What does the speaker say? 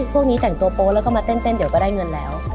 พวกนี้แต่งตัวโป๊แล้วก็มาเต้นเดี๋ยวก็ได้เงินแล้ว